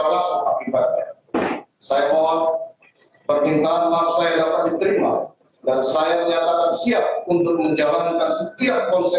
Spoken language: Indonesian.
bagaian senior dan rekan rekan perundang tinggi